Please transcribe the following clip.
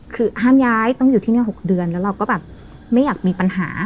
คือห้ามย้ายต้องอยู่ที่นี่๖เดือนแล้วเราก็แบบไม่อยากมีปัญหา